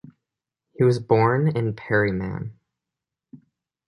He was born in Perryman.